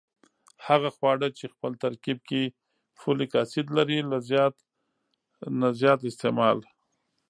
هغه خواړه چې خپل ترکیب کې فولک اسید لري له زیات نه زیات استعمال